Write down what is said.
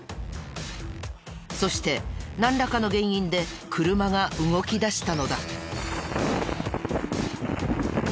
そしてなんらかの原因で車が動きだしたのだ。